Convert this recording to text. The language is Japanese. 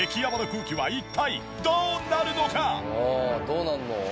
どうなるの？